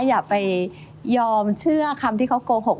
อย่าไปยอมเชื่อคำที่เขาโกหก